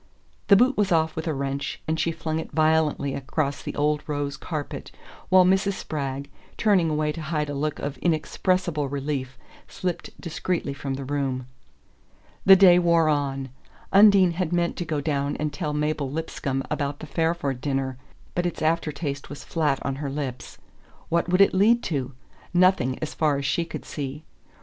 The boot was off with a wrench, and she flung it violently across the old rose carpet, while Mrs. Spragg, turning away to hide a look of inexpressible relief, slipped discreetly from the room. The day wore on. Undine had meant to go down and tell Mabel Lipscomb about the Fairford dinner, but its aftertaste was flat on her lips. What would it lead to? Nothing, as far as she could see.